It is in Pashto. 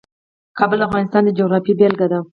کابل د افغانستان د جغرافیې بېلګه ده.